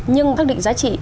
nhưng xác định giá trị